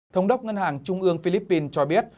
thống đốc ngân hàng trung ương philippines cho biết